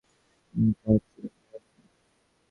আশঙ্কা হচ্ছিল তুমি আসবে না।